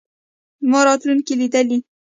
ما راتلونکې لیدلې.